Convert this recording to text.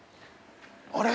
あれ？